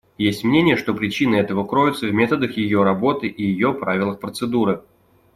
Есть мнения, что причины этого кроются в методах ее работы и ее правилах процедуры.